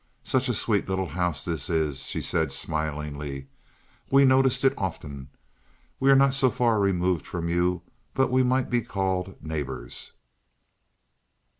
"Such a sweet little house this is," she said, smilingly. "We've noticed it often. We're not so far removed from you but what we might be called neighbors."